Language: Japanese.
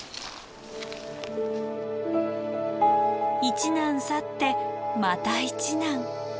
「一難去ってまた一難」。